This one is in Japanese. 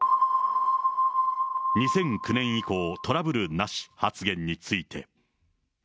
２００９年以降、トラブルなし発言について。